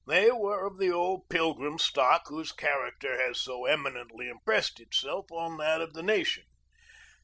They were of the old Pilgrim stock whose character has so eminently impressed itself on that of the nation.